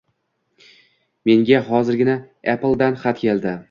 Menga hozirgina Apple -dan xat keldi